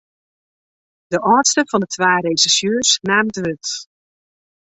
De âldste fan de twa resjersjeurs naam it wurd.